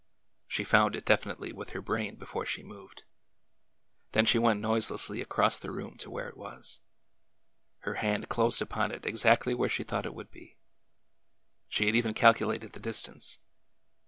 She found it definitely with her brain before she moved. Then she went noiselessly across the room to where it was. Her hand closed upon it exactly where she thought it would be. She had even calculated the dis tance.